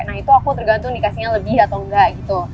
nah itu aku tergantung dikasihnya lebih atau enggak gitu